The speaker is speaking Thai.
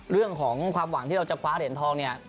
เรื่องของความหวังที่เราจะคว้าเหรียญทองเนี่ย